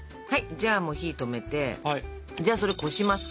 じゃあ火止めてじゃあそれこしますか。